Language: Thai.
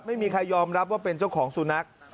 ไม่มีใครยอมรับว่าเป็นเจ้าของสุนัข